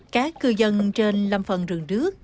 các cư dân trên lâm phần rừng đước